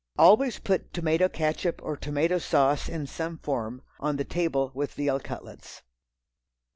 Always put tomato catsup or tomato sauce, in some form, on the table with veal cutlets.